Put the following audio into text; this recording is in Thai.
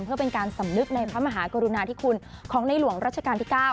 เพื่อเป็นการสำนึกในพระมหากรุณาธิคุณของในหลวงรัชกาลที่๙